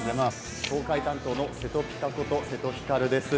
東海担当のせとぴかこと瀬戸光です。